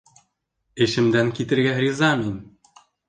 Эшемдән китергә риза мин.